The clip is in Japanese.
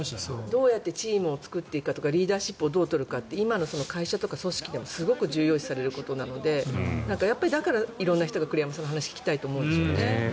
どうやってチームを作っていくかとかリーダーシップをどう取るか今の会社とか組織でもすごく重要視されることなのでだから、色々な人が栗山さんの話を聞きたいと思うんですよね。